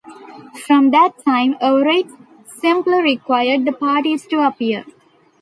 From that time, a writ simply required the parties to appear.